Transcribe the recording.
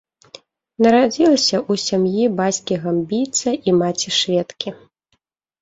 Нарадзілася ў сям'і бацькі-гамбійца і маці-шведкі.